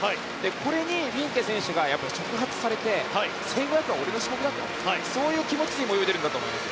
これにフィンケ選手が触発されて１５００ｍは俺の種目だとそういう気持ちで泳いでるんだと思います。